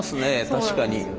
確かに。